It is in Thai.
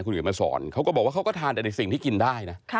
คุณเขียนมาสอนเขาก็บอกว่าเขาก็ทานแต่ในสิ่งที่กินได้นะ